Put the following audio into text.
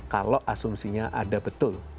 kalau asumsinya ada betul